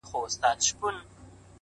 څوک به ولي دښمني کړي د دوستانو -